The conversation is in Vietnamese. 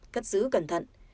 cất giữ cẩn thận